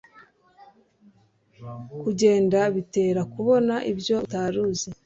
kugenda bitera kubona ibyo utaruzi